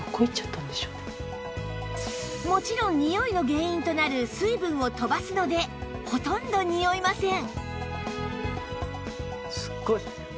もちろんにおいの原因となる水分を飛ばすのでほとんどにおいません